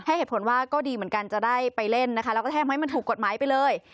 เหตุผลว่าก็ดีเหมือนกันจะได้ไปเล่นนะคะแล้วก็แทกให้มันถูกกฎหมายไปเลย